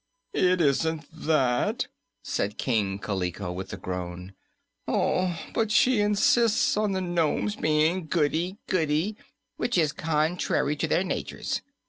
"It isn't that," said King Kaliko, with a groan, "but she insists on the nomes being goody goody, which is contrary to their natures.